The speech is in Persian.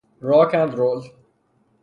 راک اند رول